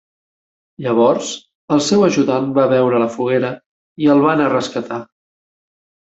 Llavors, el seu ajudant va veure la foguera i el va anar a rescatar.